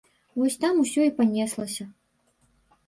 Вось там усё і панеслася.